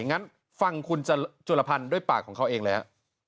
งั้นฟังคุณจุลพันธ์ด้วยปากของเขาเองเลยฮะ